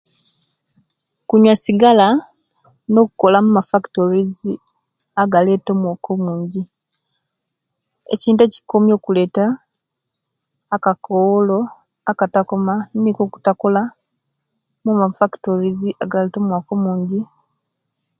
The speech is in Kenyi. Kunywa sigala nokola mumafactories agaleta omwoka omunji ekintu ekikomya okuleta akakowolo etikakoma nikwo ebutakola mu mafactories agaleta omwoka omunji